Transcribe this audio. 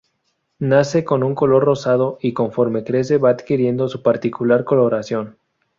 Nacen con un color rosado y conforme crecen van adquiriendo su particular coloración.